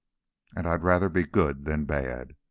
And I'd rather be good than bad.